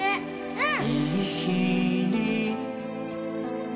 うん！